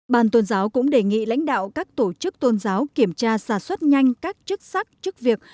ban tôn giáo cũng đề nghị lãnh đạo các tổ chức tôn giáo kiểm tra xà xuất nhanh các chức sắc trước việc